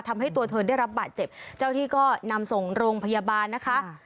ทำให้ตัวเธอได้รับบาดเจ็บเจ้าที่ก็นำส่งโรงพยาบาลนะคะ